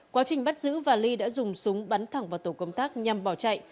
quá trình bắt giữ và ly đã dùng súng bắn thẳng vào tổ công tác nhằm bỏ chạy